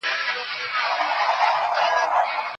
زه پرون د کور کالي مينځم وم.